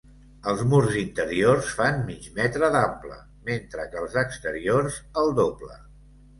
Els murs interiors fan mig metre d'ample, mentre que els exteriors, el doble.